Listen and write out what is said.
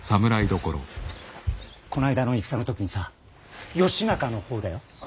こないだの戦の時にさ義仲の方だよ。